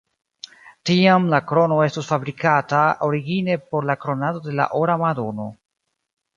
Tiam la krono estus fabrikata origine por la kronado de la Ora Madono.